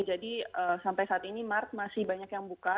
jadi sampai saat ini mart masih banyak yang buka